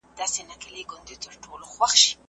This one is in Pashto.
حکومتونو خپل پروګرامونه نه پلي کول.